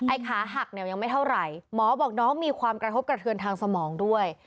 ขาหักเนี่ยยังไม่เท่าไหร่หมอบอกน้องมีความกระทบกระเทือนทางสมองด้วย